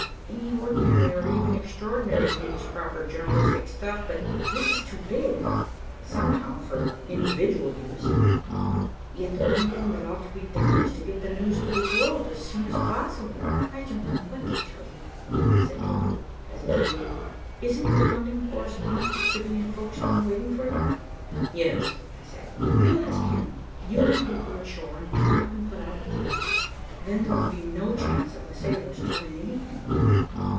Any ordinary or even extraordinary thing is proper journalistic stuff, but this is too big, somehow, for individual use. Yet the one thing that ought to be done is to get the news to the world as soon as possible." "I don't know what to tell you," said Dorothy hesitatingly. "Isn't your London correspondent to be in Folkestone waiting for you?" "Yes," I said. "Well, ask him. You and I will go ashore, and Tom can put out with the yacht. Then there will be no chance of the sailors' telling anything."